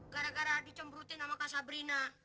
gara gara dicembrutin sama kak sabrina